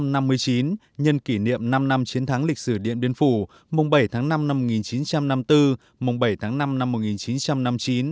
năm một nghìn chín trăm năm mươi chín nhân kỷ niệm năm năm chiến thắng lịch sử điện biên phủ mùng bảy tháng năm năm một nghìn chín trăm năm mươi bốn mùng bảy tháng năm năm một nghìn chín trăm năm mươi chín